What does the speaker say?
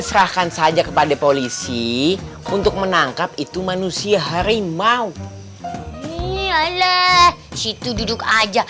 serahkan saja kepada polisi untuk menangkap itu manusia harimau nih ayah situ duduk aja